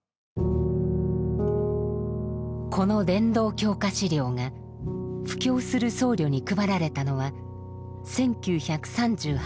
この「傳道教化資料」が布教する僧侶に配られたのは１９３８年。